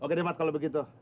oke deh mat kalo begitu